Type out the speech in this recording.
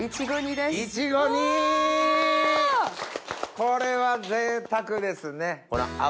これはぜいたくですね。